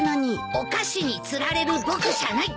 お菓子に釣られる僕じゃない。